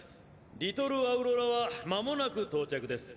リトルアウロラは間もなく到着です。